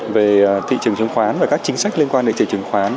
về thị trường chứng khoán và các chính sách liên quan đến thị trường chứng khoán